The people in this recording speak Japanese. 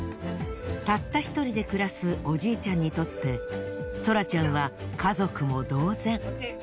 たった一人で暮らすおじいちゃんにとってソラちゃんは家族も同然。